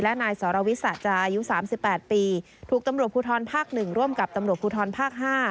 และนายสรวิสาจาอายุ๓๘ปีถูกตำรวจภูทรภาค๑ร่วมกับตำรวจภูทรภาค๕